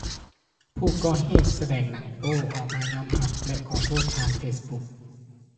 ຜູ້ກໍ່ເຫດສະແດງໜັງໂປ້ອອກມາຍອມຮັບ ແລະ ຂໍໂທດຜ່ານເຟສບຸກ